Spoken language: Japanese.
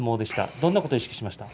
どんなことを意識しましたか。